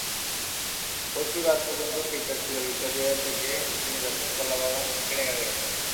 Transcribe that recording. পরশু রাত পর্যন্তও ঠিকঠাক ছিল ভিক্টোরিয়া থেকে তিনি যাচ্ছেন কলাবাগান ক্রিকেট একাডেমিতে।